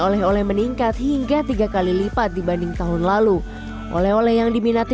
oleh oleh meningkat hingga tiga kali lipat dibanding tahun lalu oleh oleh yang diminati